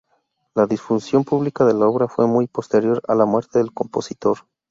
La difusión pública de la obra fue muy posterior a la muerte del compositor.